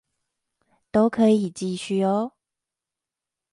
都可以繼續喔